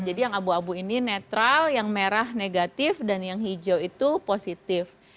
jadi yang abu abu ini netral yang merah negatif dan yang hijau itu positif